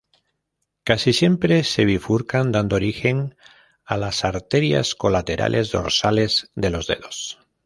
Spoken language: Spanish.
Casi siempre se bifurcan dando origen a las arterias colaterales dorsales de los dedos.